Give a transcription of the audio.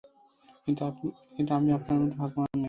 কিন্তু আমি আপনার মতো ভাগ্যবান নই।